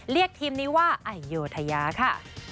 เรียกทีมนี้ว่าไอโยธยาค่ะ